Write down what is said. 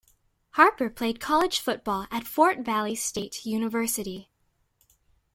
Harper played college football at Fort Valley State University.